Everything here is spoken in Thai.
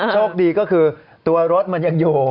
โชคดีก็คือตัวรถมันยังอยู่